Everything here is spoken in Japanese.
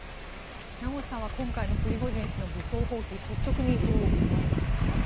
名越さんは今回のプリゴジン氏の武装蜂起率直にどう思われましたか？